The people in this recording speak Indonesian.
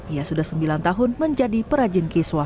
ia sudah sembilan tahun menjadi perajin kiswah